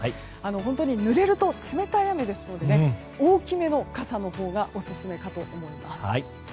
本当にぬれると冷たい雨ですので大きめの傘のほうがオススメかと思います。